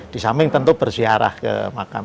disambing tentu bersiarah ke makam